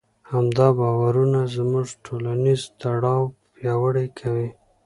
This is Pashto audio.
همدا باورونه زموږ ټولنیز تړاو پیاوړی کوي.